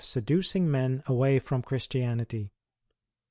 31 seducingmenaway from Christianity.